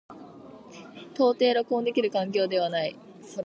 到底録音できる環境ではない。